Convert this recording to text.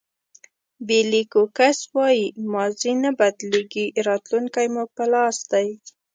بېلي کوکس وایي ماضي نه بدلېږي راتلونکی مو په لاس دی.